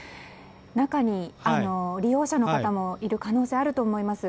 中に利用者の方もいる可能性があると思います。